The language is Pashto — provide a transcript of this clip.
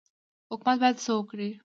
حکومت باید څه وکړي؟